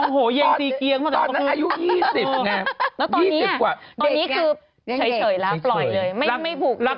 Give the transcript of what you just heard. คุณแม่หน่อยฝ่ายฟ้า